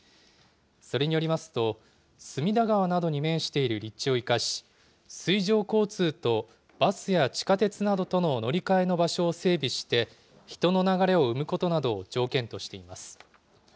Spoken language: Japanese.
それによりますと、隅田川などに面している立地を生かし、水上交通とバスや地下鉄などとの乗り換えの場所を整備して、人の流れを生むことなどを条件としています。